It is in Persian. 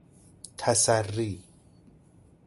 تسری